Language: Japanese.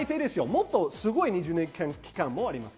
もっとすごい２０年期間もあります。